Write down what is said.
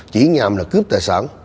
chỉ nhằm là cướp tài sản